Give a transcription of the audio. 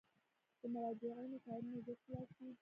د مراجعینو کارونه ژر خلاصیږي؟